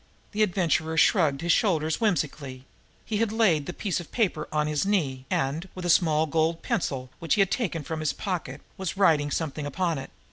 The Adventurer shrugged his shoulders whimsically. He had laid the piece of paper on his knee, and, with a small gold pencil which he had taken from his pocket, was writing something upon it.